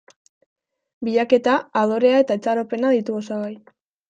Bilaketa, adorea eta itxaropena ditu osagai.